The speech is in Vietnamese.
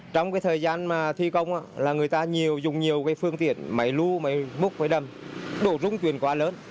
trong thời gian thi công người ta dùng nhiều phương tiện máy lưu máy múc máy đâm đổ rung chuyển quá lớn